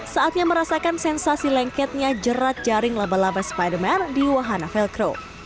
saatnya merasakan sensasi lengketnya jerat jaring laba laba spidermare di wahana velcro